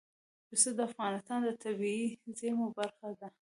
پسه د افغانستان د طبیعي زیرمو برخه ده.